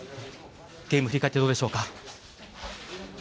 ゲーム振り返ってどうでしょうか？